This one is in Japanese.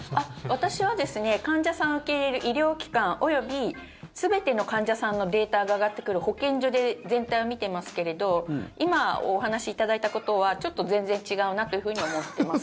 私は、患者さんを受け入れる医療機関及び全ての患者さんのデータが上がってくる保健所で全体を見ていますけれど今、お話しいただいたことはちょっと全然違うなというふうに思っています。